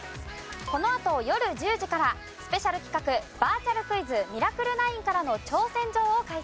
このあと夜１０時からスペシャル企画バーチャルクイズ「ミラクル９からの挑戦状」を開催します。